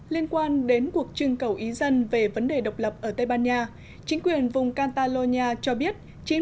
liên quan đến cuộc trưng cầu ý dân về vấn đề độc lập ở tây ban nha chính quyền vùng cantalonia cho biết